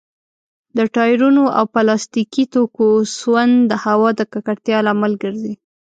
د ټايرونو او پلاستيکي توکو سون د هوا د ککړتيا لامل ګرځي.